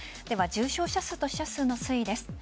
では、重症者数と死者数の推移です。